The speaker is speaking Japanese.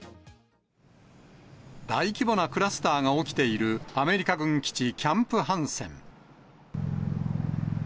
大規模なクラスターが起きているアメリカ軍基地、キャンプ・ハンセン。